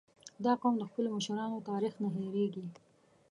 • دا قوم د خپلو مشرانو تاریخ نه هېرېږي.